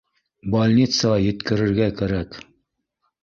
Больницаға еткерергә кәрәк